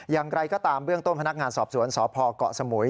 อย่างไรก็ตามเบื้องต้นพนักงานสอบสวนสพเกาะสมุย